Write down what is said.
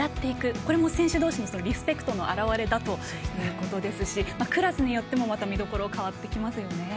これも選手どうしのリスペクトの表れだということですしクラスによってもまた見どころは変わってきますよね。